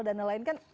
dan lain lain kan